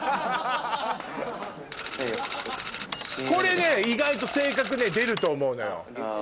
これね意外と性格出ると思うのよ。